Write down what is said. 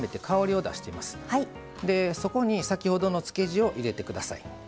そこに先ほどのつけ地を入れてください。